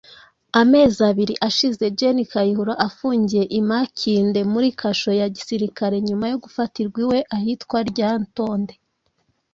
Amezi abiri ashize Gen Kayihura afungiye i Makindye muri kasho ya gisirikare nyuma yo gufatirwa iwe ahitwa Lyantonde